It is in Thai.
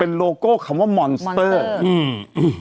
เป็นโลโก้คำว่ามอนเซเตอร์อืม